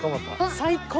最高！